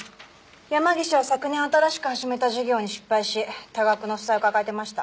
山岸は昨年新しく始めた事業に失敗し多額の負債を抱えてました。